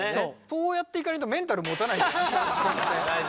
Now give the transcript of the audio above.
そうやっていかないとメンタルもたないんだよね。